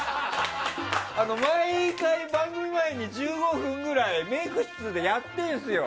毎回、番組前に１５分ぐらいメイク室でやってるんですよ。